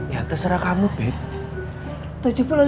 ya terserah kamu beb